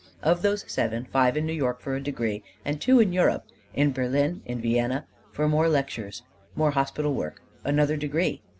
Of those seven, five in New York for a degree; and two in Europe in Berlin, in Vienna for more lectures, more hospital work, another degree.